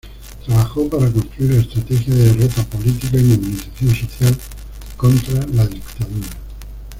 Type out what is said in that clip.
Trabajó para construir la estrategia de derrota política y movilización social contra la dictadura.